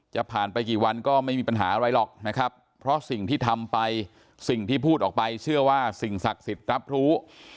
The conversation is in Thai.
จะผ่านไปกี่วันก็ไม่มีปัญหาอะไรหรอกนะครับเพราะสิ่งที่ทำไปสิ่งที่พูดออกไปเชื่อว่าสิ่งศักดิ์สิทธิ์รับรู้